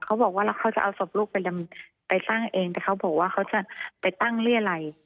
เขาบอกว่าแล้วเขาจะเอาศพลูกไปสร้างเองแต่เขาบอกว่าเขาจะไปตั้งเรียรัย